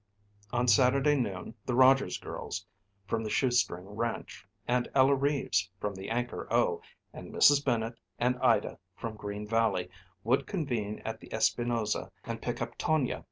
On Saturday noon the Rogers girls, from the Shoestring Ranch, and Ella Reeves, from the Anchor O, and Mrs. Bennet and Ida, from Green Valley, would convene at the Espinosa and pick up Tonia.